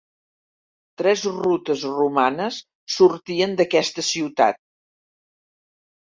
Tres rutes romanes sortien d'aquesta ciutat.